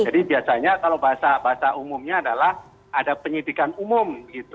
jadi biasanya kalau bahasa umumnya adalah ada penyidikan umum